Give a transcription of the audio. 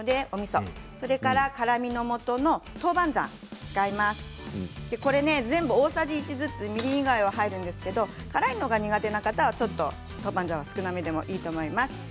それから辛みのもとの豆板醤。全部大さじ１ずつみりん以外は入るんですけれど辛いのが苦手な方は豆板醤は少なめでもいいと思います。